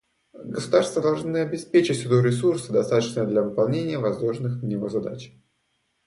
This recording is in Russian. Государства должны обеспечить Суду ресурсы, достаточные для выполнения возложенных на него задач.